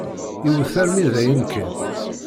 Iwet armi dayen kan.